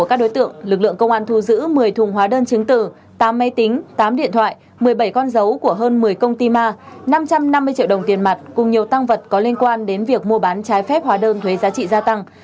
các đối tượng lực lượng công an thu giữ một mươi thùng hóa đơn chứng tử tám máy tính tám điện thoại một mươi bảy con dấu của hơn một mươi công ty ma năm trăm năm mươi triệu đồng tiền mặt cùng nhiều tăng vật có liên quan đến việc mua bán trái phép hóa đơn thuế giá trị gia tăng